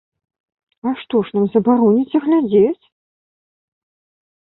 А што ж нам забароніце глядзець?